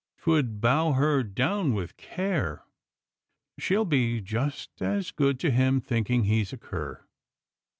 'Twould bow her down with care. She'll be just as good to him, thinking he's a cur."